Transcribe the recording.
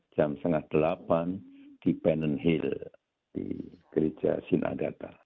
jam setengah delapan di ban hill di gereja sinadata